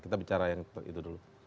kita bicara yang itu dulu